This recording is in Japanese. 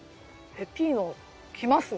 ペピーノきますね。